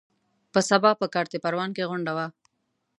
په سبا په کارته پروان کې غونډه وه.